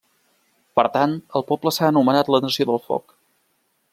Per tant, el poble s'ha anomenat la Nació del Foc.